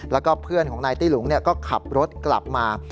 แล้วก็เพื่อนของนายตี้หลุงก็ขับรถกลับมา